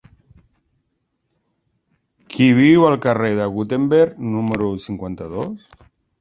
Qui viu al carrer de Gutenberg número cinquanta-dos?